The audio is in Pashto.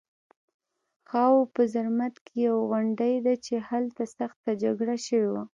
خاوو په زرمت کې یوه غونډۍ ده چې هلته سخته جګړه شوې وه